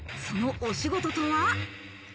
そのお仕事とは？